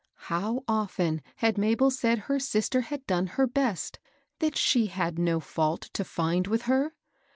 How oft; en had Mabel said her sister had done her best, — that she had no fault to find with her.